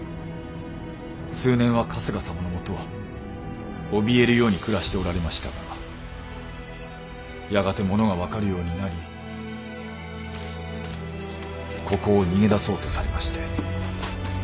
数年は春日様のもとおびえるように暮らしておられましたがやがて物が分かるようになりここを逃げだそうとされまして。